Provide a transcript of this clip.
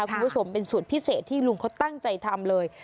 คุณผู้ชมเป็นสูตรพิเศษที่ลุงเขาตั้งใจทำเลย